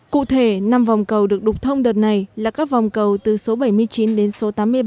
cụ thể năm vòng cầu được đục thông đợt này là các vòng cầu từ số bảy mươi chín đến số tám mươi ba